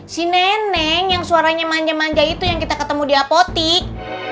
si nenek yang suaranya manja manja itu yang kita ketemu di apotik